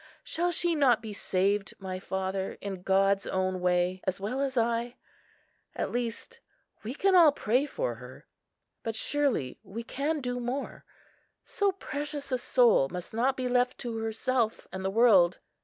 Shall she not be saved, my father, in God's own way, as well as I? At least we can all pray for her; but surely we can do more—so precious a soul must not be left to herself and the world.